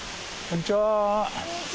こんにちは！